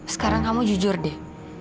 sekarang kamu jujur deh